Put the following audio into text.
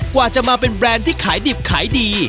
กว่าจะมาเป็นแบรนด์ที่ขายดิบขายดี